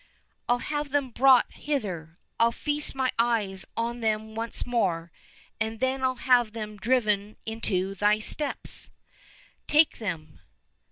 Fll have them brought hither. Ill feast my eyes on them once more, and then I'll have them driven into thy steppes — take them."